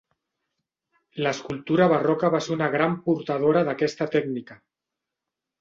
L'escultura barroca va ser una gran portadora d'aquesta tècnica.